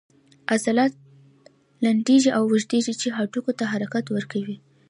عضلات لنډیږي او اوږدیږي چې هډوکو ته حرکت ورکوي